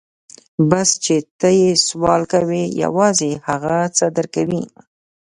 بس چې ته يې سوال کوې يوازې هغه څه در کوي.